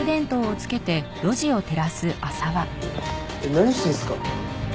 何してんすか？